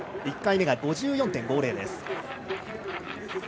１回目が５４．５０です。